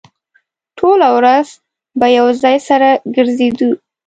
ټوله ورځ به يو ځای سره ګرځېدو.